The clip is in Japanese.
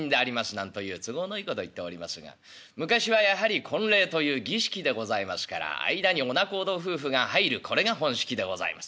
なんという都合のいいことを言っておりますが昔はやはり婚礼という儀式でございますから間にお仲人夫婦が入るこれが本式でございます。